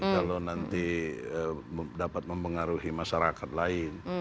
kalau nanti dapat mempengaruhi masyarakat lain